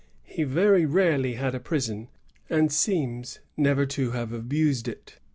He very rarely had a prison, and seems never to have abused it.